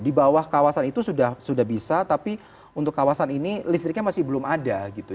di bawah kawasan itu sudah bisa tapi untuk kawasan ini listriknya masih belum ada gitu